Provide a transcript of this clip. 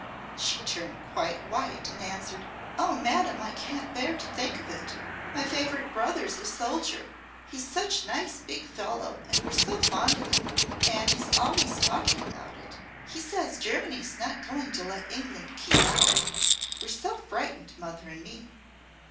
She turned quite white and answered, 'Oh, Madam, I can't bear to think of it. My favourite brother's a soldier. He's such a nice big fellow and we're so fond of him. And he's always talking about it. He says Germany's not going to let England keep out. We're so frightened mother and me.'